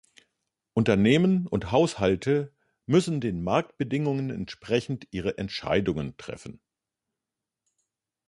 Unternehmen und Haushalte müssen den Marktbedingungen entsprechend ihre Entscheidungen treffen.